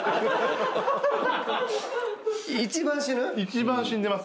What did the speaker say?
一番死んでます